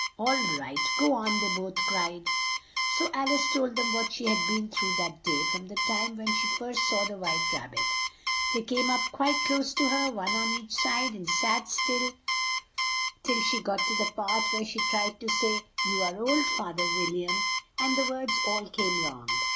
"All right, go on," they both cried. So Al ice told them what she had been through that day, from the time when she first saw the White Rab bit. They came up quite close to her, one on each side, and sat still till she got to the part where she tried to say, "You are old, Fath er Wil liam," and the words all came wrong.